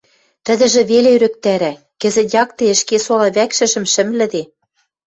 Тӹдӹжӹ веле ӧрӹктӓрӓ: кӹзӹт якте ӹшке сола вӓкшӹжӹм шӹмлӹде.